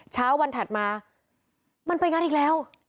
เช้าวันถัดมามันไปงานอีกแล้ว